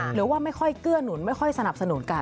หรือว่าไม่ค่อยเกื้อหนุนไม่ค่อยสนับสนุนกัน